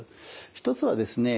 一つはですね